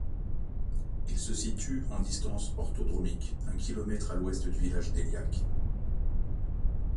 Il se situe, en distances orthodromiques, un kilomètre à l'ouest du village d'Eyliac.